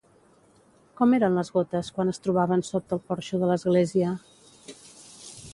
Com eren les gotes quan es trobaven sota el porxo de l'església?